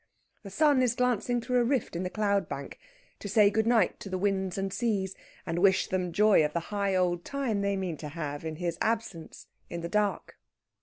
The sun is glancing through a rift in the cloud bank, to say good night to the winds and seas, and wish them joy of the high old time they mean to have in his absence, in the dark.